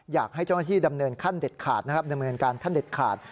อยากให้เจ้าหน้าที่ดำเนินขั้นเด็ดขาดนะครับดำเนินการขั้นเด็ดขาด